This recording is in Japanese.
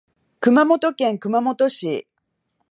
熊本県熊本市